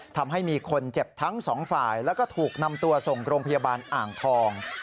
ทำให้มีคนเจ็บทั้งสองฝ่ายแล้วก็ถูกนำตัวส่งโรงพยาบาลอ่างทอง